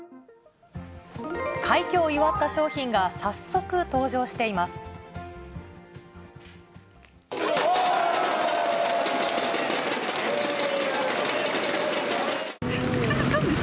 快挙を祝った商品が早速登場しています。